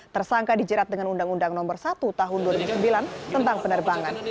tersangka dijerat dengan undang undang nomor satu tahun dua ribu sembilan tentang penerbangan